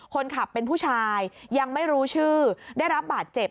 คนขับเป็นผู้ชายยังไม่รู้ชื่อได้รับบาดเจ็บ